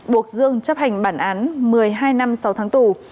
buộc dương chấp hành bản án một mươi hai năm sáu tháng tù